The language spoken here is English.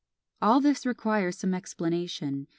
All this requires some explanation.